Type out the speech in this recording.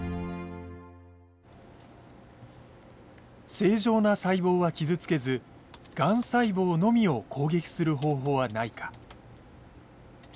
正常な細胞は傷つけずがん細胞のみを攻撃する方法はないか。